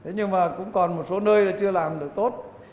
nhưng mà cũng còn một số nơi chưa làm được tốt